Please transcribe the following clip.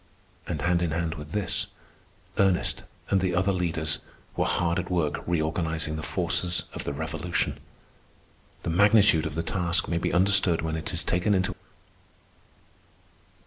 And hand in hand with this, Ernest and the other leaders were hard at work reorganizing the forces of the Revolution. The magnitude of the task may be understood when it is taken into.